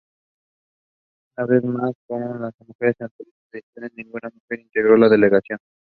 Trails were placed throughout the newly designated land.